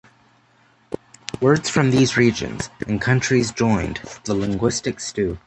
Words from these regions and countries joined the linguistic stew.